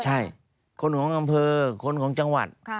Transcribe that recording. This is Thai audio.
ใช่คนของอำเภอคนของจังหวัด